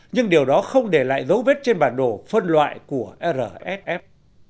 nhưng điều đó không để lại dấu vết trên bản đồ phân loại của rsf